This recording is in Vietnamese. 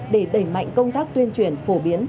để đẩy mạnh công tác tuyên truyền phổ biến